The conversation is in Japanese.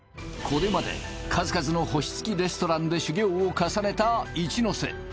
これまで数々の星付きレストランで修業を重ねた一之瀬